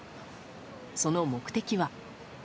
その目的は。